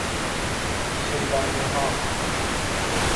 شیبانیها